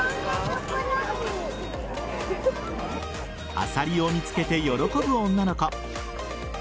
アサリを見つけて喜ぶ女の子。